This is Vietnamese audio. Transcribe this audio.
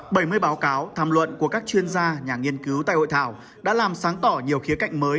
bảy mươi báo cáo tham luận của các chuyên gia nhà nghiên cứu tại hội thảo đã làm sáng tỏ nhiều khía cạnh mới